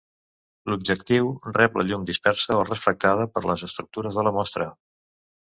L'objectiu rep la llum dispersa o refractada per les estructures de la mostra.